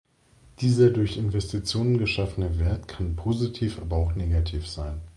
Dieser durch Investitionen geschaffene Wert kann positiv, aber auch negativ sein.